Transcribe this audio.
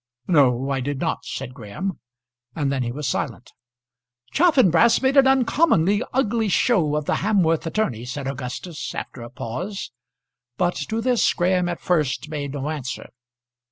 "No, I did not," said Graham; and then he was silent. "Chaffanbrass made an uncommonly ugly show of the Hamworth attorney," said Augustus, after a pause; but to this Graham at first made no answer.